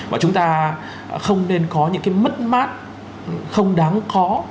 và chúng ta không nên có những cái mất mát không đáng có